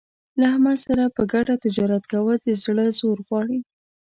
له احمد سره په ګډه تجارت کول د زړه زور غواړي.